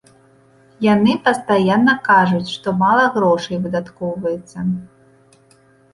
Яны пастаянна кажуць, што мала грошай выдаткоўваецца.